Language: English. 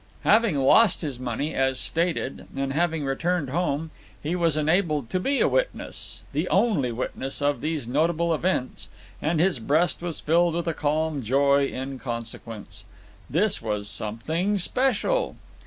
Having lost his money, as stated, and having returned home, he was enabled to be a witness, the only witness, of these notable events, and his breast was filled with a calm joy in consequence. This was something special.